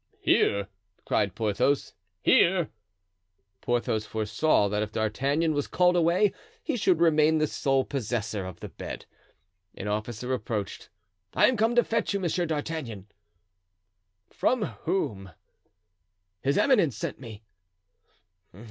"Here!" cried Porthos, "here!" Porthos foresaw that if D'Artagnan was called away he should remain the sole possessor of the bed. An officer approached. "I am come to fetch you, Monsieur d'Artagnan." "From whom?" "His eminence sent me."